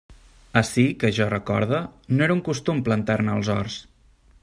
Ací, que jo recorde, no era costum plantar-ne als horts.